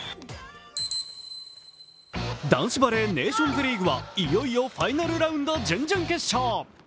男子バレーネーションズリーグはいよいよファイナルラウンド準々決勝。